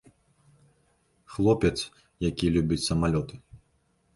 Хлопец, які любіць самалёты.